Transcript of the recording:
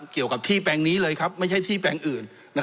เกี่ยวกับที่แปลงนี้เลยครับไม่ใช่ที่แปลงอื่น